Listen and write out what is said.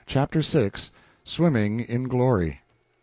CHAPTER VI. Swimming in Glory.